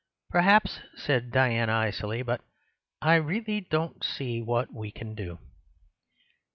"Perhaps," said Diana icily, "but I really don't see what we can do."